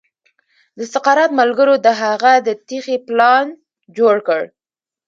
د سقراط ملګرو د هغه د تېښې پلان جوړ کړ.